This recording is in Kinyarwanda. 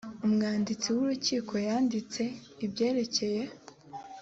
umwanditsi w urukiko yandika ibyerekeye